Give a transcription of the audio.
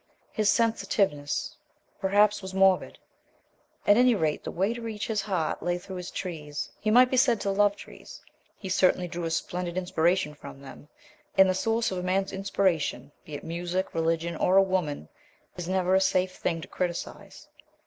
His sensitiveness, perhaps, was morbid. At any rate the way to reach his heart lay through his trees. He might be said to love trees. He certainly drew a splendid inspiration from them, and the source of a man's inspiration, be it music, religion, or a woman, is never a safe thing to criticize.